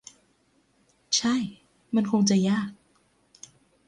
ใช่ มันคงจะยาก